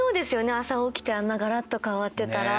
朝起きてあんなガラッと変わってたら。